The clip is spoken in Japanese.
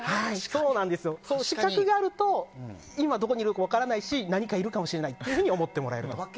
視覚があると今どこにいるか分からないし何かいるかもしれないと思ってもらえるかもしれないと。